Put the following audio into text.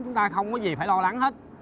chúng ta không có gì phải lo lắng hết